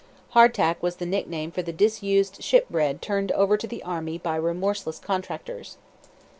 Hardtack was the nickname for the disused ship bread turned over to the army by remorseless contractors.